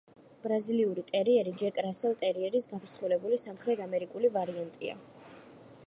ბრაზილიური ტერიერი ჯეკ რასელ ტერიერის გამსხვილებული სამხრეთამერიკული ვარიანტია.